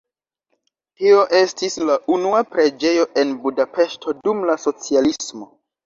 Tio estis la una preĝejo en Budapeŝto dum la socialismo.